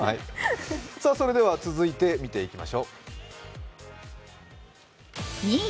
それでは続いて、見ていきましょう２位。